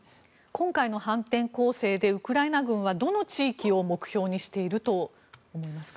今回の反転攻勢でウクライナ軍はどの地域を目標にしていると思いますか？